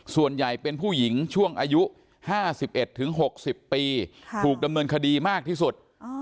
ส่วนใหญ่เป็นผู้หญิงช่วงอายุ๕๑๖๐ปีถูกดำเนินคดีมากที่สุด